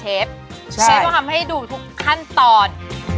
ใช่ชเฟฟ้าทำให้ดูทุกขั้นตอน